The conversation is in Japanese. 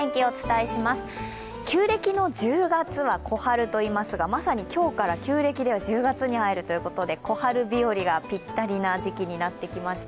旧暦の１０月は小春といいますが、まさに今日から旧暦では１０月に入るということで、小春日和がぴったりな時期になってきました。